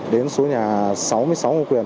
đến số nhà sáu mươi sáu ngôi quyền